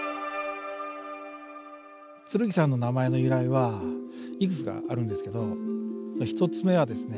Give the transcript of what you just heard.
剣山の名前の由来はいくつかあるんですけど１つ目はですね